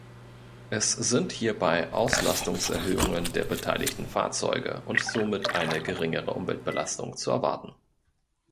Es sind hierbei Auslastungserhöhungen der beteiligten Fahrzeuge und somit eine geringere Umweltbelastung zu erwarten.